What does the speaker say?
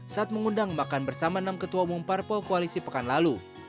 saat mengundang makan bersama enam ketua umum parpol koalisi pekan lalu